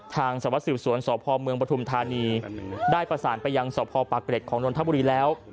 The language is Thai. ทางสวสิบศวรสพมปฐุมธานีได้ประสานไปยังสพปะเกร็ดของจวัดนทบุรีแล้ว